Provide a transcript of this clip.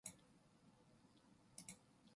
그런 눈으로 쳐다보지 마.